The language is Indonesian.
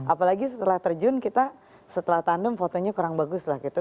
apalagi setelah terjun kita setelah tandem fotonya kurang bagus lah gitu